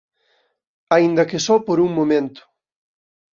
Aínda que só por un momento.